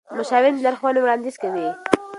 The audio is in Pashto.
مشاورین د لارښوونې وړاندیز کوي.